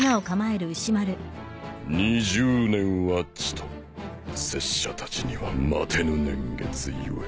２０年はちと拙者たちには待てぬ年月故。